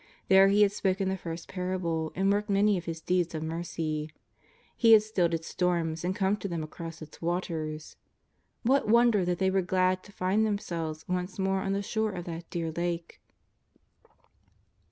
There He had spoken the first parables and worked many of His deeds of mercy. He had stilled its storms and come to them across its waters. What wonder that they were glad to fijid themselves once more on the shores of that dear Lake!